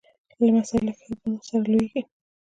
لمسی له ښېګڼو سره لویېږي.